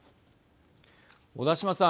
小田島さん。